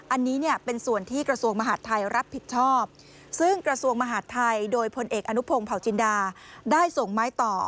อันนี้เนี่ยเป็นส่วนที่กระทรวงมหาดไทยรับผิดชอบซึ่งกระทรวงมหาดไทยโดยพลเอกอนุพงศ์เผาจินดาได้ส่งไม้ต่อ